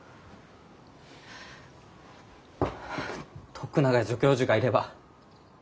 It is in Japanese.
はあ徳永助教授がいれば。